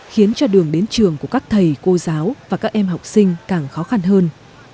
khiến cho đường đến trường của các thầy cô giáo và các em học sinh càng khó khăn hơn